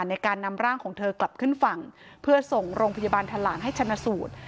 ในการนำร่างของเธอกลับขึ้นฝั่งเพื่อส่งโรงพยาบาลทะหลางให้ชนะสูตร